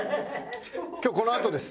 今日このあとです。